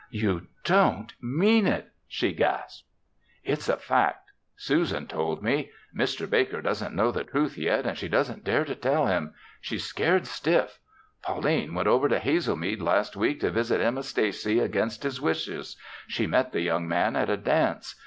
"You don't mean it," she gasped. "It's a fact. Susan told me. Mr. Baker doesn't know the truth yet and she doesn't dare to tell him. She's scared stiff. Pauline went over to Hazelmead last week to visit Emma Stacy against his wishes. She met the young man at a dance.